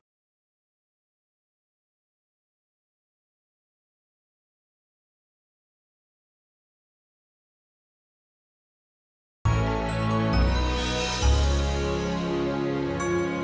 sampai jumpa lagi